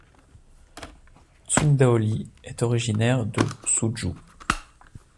Tsung-Dao Lee est originaire de Suzhou.